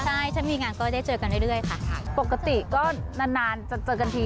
ใช่ถ้ามีงานก็ได้เจอกันเรื่อยค่ะปกติก็นานนานจะเจอกันที